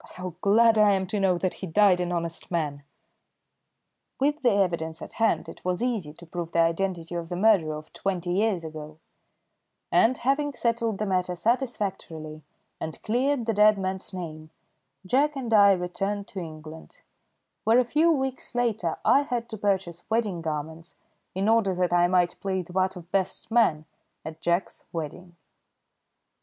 But how glad I am to know that he died an honest man!" With the evidence at hand it was easy to prove the identity of the murderer of twenty years ago, and, having settled the matter satisfactorily and cleared the dead man's name, Jack and I returned to England, where a few weeks later I had to purchase wedding garments in order that I might play the part of best man at Jack's wedding.